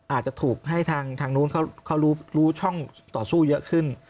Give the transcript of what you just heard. อาจจะถูกให้ทางนู้นเขารู้ช่องต่อสู้เยอะขึ้น